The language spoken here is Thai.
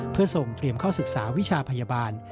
เพื่อส่งเตรียมเข้าศึกษาวิชาพยาบาล